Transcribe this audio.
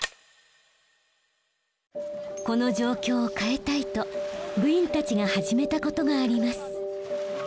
この状況を変えたいと部員たちが始めたことがあります。